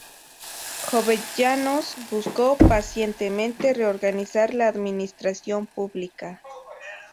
Jovellanos buscó pacientemente reorganizar la administración pública.